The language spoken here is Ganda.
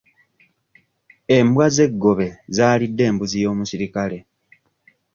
Embwa z'eggobe zaalidde embuzi y'omusirikale.